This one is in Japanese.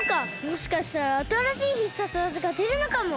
もしかしたらあたらしい必殺技がでるのかも！